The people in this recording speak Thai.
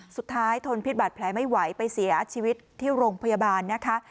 ทนพิษบาดแผลไม่ไหวไปเสียชีวิตที่โรงพยาบาลนะคะ